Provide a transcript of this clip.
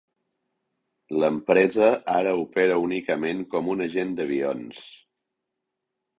L'empresa ara opera únicament com un agent d'avions.